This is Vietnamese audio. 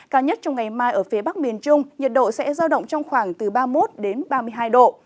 cao nhất trong ngày mai ở phía bắc miền trung nhiệt độ sẽ giao động trong khoảng từ ba mươi một ba mươi hai độ